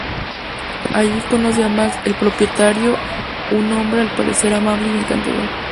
Allí conoce a Max, el propietario, un hombre al parecer amable y encantador.